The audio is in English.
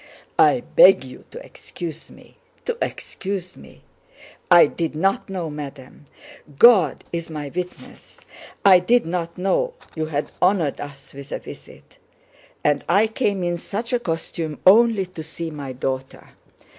I beg you to excuse me, to excuse me... I did not know, madam. God is my witness, I did not know you had honored us with a visit, and I came in such a costume only to see my daughter.